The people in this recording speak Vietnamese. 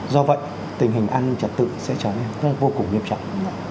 do vậy tình hình an ninh trật tự sẽ trở nên vô cùng nghiêm trọng